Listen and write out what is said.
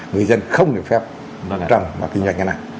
người dân không được phép trong kinh doanh như thế này